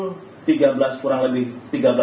jadi hanya kurang lebih satu menit